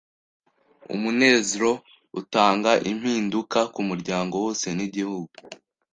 umunezro utanga impinduka ku muryango wose n’igihugu.